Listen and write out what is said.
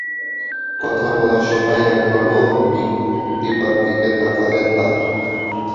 কথা বলার সময় একবারও দিপার দিকে তাকালেন না।